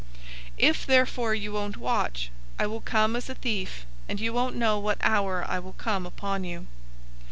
If therefore you won't watch, I will come as a thief, and you won't know what hour I will come upon you.